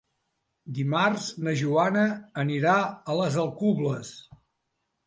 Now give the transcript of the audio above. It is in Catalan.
Dimarts na Joana anirà a les Alcubles.